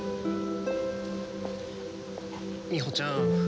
みほちゃん